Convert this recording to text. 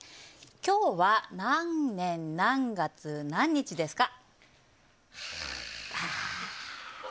今日は何年何月何日ですか？